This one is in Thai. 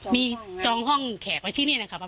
มีจองห้องแขกว่าที่นี่นะคะ